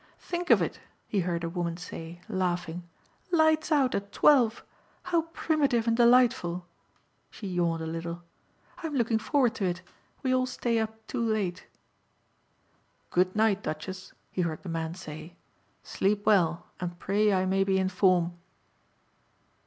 "Think of it," he heard a woman say, laughing, "lights out at twelve! How primitive and delightful." She yawned a little. "I'm looking forward to it; we all stay up too late." "Good night, Duchess," he heard the man say. "Sleep well and pray I may be in form."